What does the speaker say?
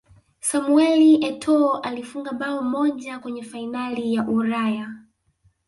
samuel etoo alifunga bao moja kwenye fainali ya ulaya